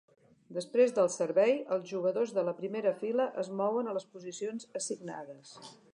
Després del servei, els jugadors de la primera fila es mouen a les posicions assignades.